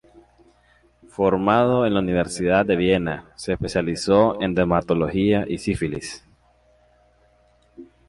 Formado en la Universidad de Viena, se especializó en dermatología y sífilis.